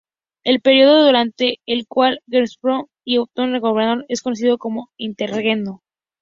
El periodo durante el cual Wenceslao y Otón gobernaron es conocido como interregno.